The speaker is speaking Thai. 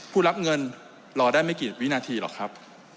ผู้รับเงินรอได้ไม่กี่วินาทีหรอกครับ